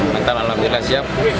mental alhamdulillah siap